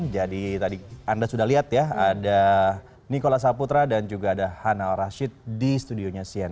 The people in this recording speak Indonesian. jadi tadi anda sudah lihat ya ada nikola saputra dan juga ada hanal rashid di studionya cnn